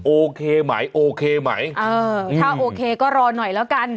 โอเคไหมโอเคไหมเออถ้าโอเคก็รอหน่อยแล้วกัน